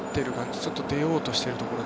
ちょっと出ようとしているところ。